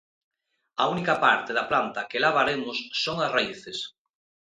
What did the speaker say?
A única parte da planta que lavaremos son as raíces.